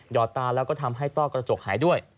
อดตาแล้วก็ทำให้ต้อกระจกหายด้วย